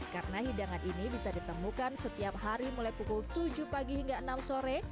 karena hidangan ini bisa ditemukan setiap hari mulai pukul tujuh pagi hingga enam sore